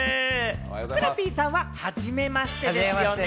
ふくらＰさんは初めましてですよね？